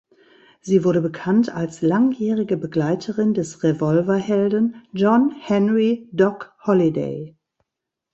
Sie wurde bekannt als langjährige Begleiterin des Revolverhelden John Henry „Doc“ Holliday.